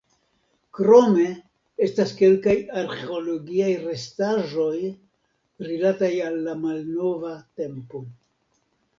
Krome estas kelkaj arĥeologiaj restaĵoj, rilataj al la malnova tempo.